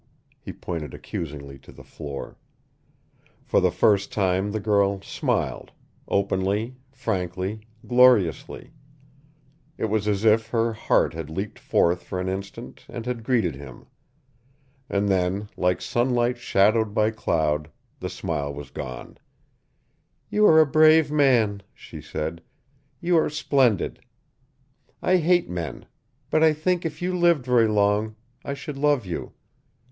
He pointed accusingly to the floor. For the first time the girl smiled, openly, frankly, gloriously. It was as if her heart had leaped forth for an instant and had greeted him. And then, like sunlight shadowed by cloud, the smile was gone. "You are a brave man," she said. "You are splendid. I hate men. But I think if you lived very long, I should love you.